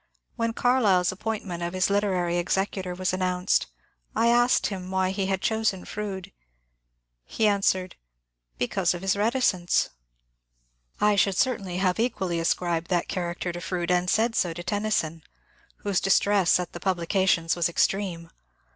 When Carlyle's ap pointment of his literary executor was announced, I asked him why he had chosen Froude. He answered, *• Because of his reticence !'" I should certainly have equally ascribed that character to Froude, and said so to Tennyson, whose distress at the pub CABLTLE^S BIOGRAPHER 213 lications was extreme.